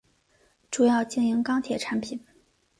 主要经营钢铁产品。